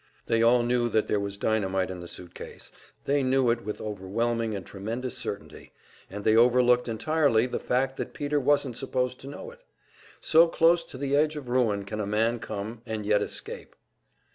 They all knew that there was dynamite in the suit case; they knew it with overwhelming and tremendous certainty, and they overlooked entirely the fact that Peter wasn't supposed to know it. So close to the edge of ruin can a man come and yet escape!